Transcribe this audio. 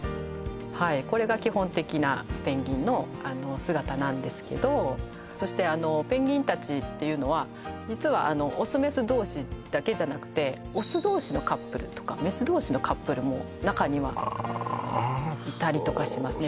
はいこれが基本的なペンギンの姿なんですけどそしてペンギンたちっていうのは実はオスメス同士だけじゃなくてオス同士のカップルとかメス同士のカップルも中にはああいたりとかしますね